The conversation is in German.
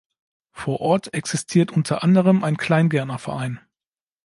Vor Ort existiert unter anderem ein Kleingärtner-Verein.